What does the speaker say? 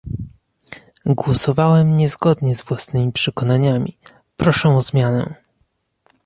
Głosowałem niezgodnie z własnymi przekonaniami, proszę o zmianę